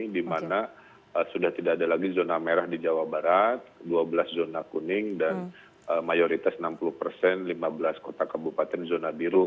di mana sudah tidak ada lagi zona merah di jawa barat dua belas zona kuning dan mayoritas enam puluh persen lima belas kota kebupaten zona biru